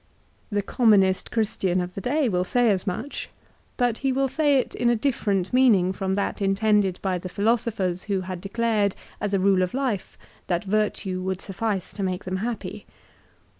The commonest Christian of the day will say as much. But he will say it in a different meaning from CICERO'S PHILOSOPHY. 357 that intended by the philosophers who had declared, as a rule of life, that virtue would suffice to make them happy.